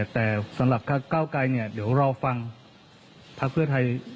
แต่สำหรับ๙ไกลเนี่ยเดี๋ยวเราฟังพระเพื่อไทย